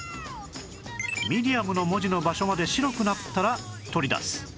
「Ｍｅｄｉｕｍ」の文字の場所まで白くなったら取り出す